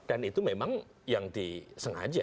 dan itu memang yang disengaja